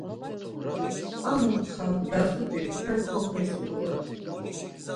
Ar muntxak lazut̆i mtel koxisu doren.